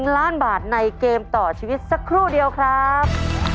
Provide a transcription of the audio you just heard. ๑ล้านบาทในเกมต่อชีวิตสักครู่เดียวครับ